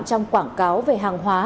trong quảng cáo về hành vi này